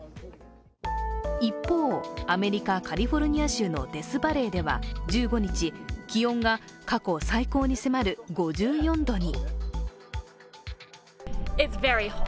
一方、アメリカ・カリフォルニア州のデスバレーでは１５日、気温が過去最高に迫る５４度に。